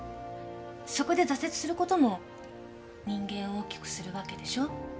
そこで挫折することも人間を大きくするわけでしょ？